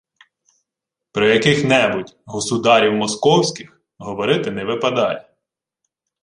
Про яких-небудь «государів московських» говорити не випадає